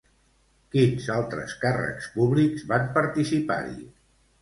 Quins altres càrrecs públics van participar-hi?